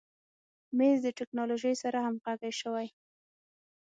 مېز د تکنالوژۍ سره همغږی شوی.